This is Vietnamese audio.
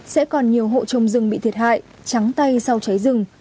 sẽ còn nhiều hộ trồng rừng bị thiệt hại trắng tay sau cháy rừng